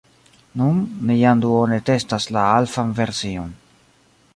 Nun, ni jam duone testas la alfan version